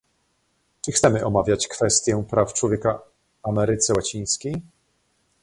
Czy chcemy omawiać kwestię praw człowieka Ameryce Łacińskiej?